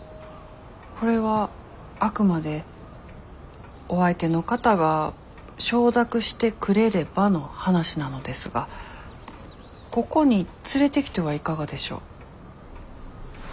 これはあくまでお相手の方が承諾してくれればの話なのですがここに連れてきてはいかがでしょう？え？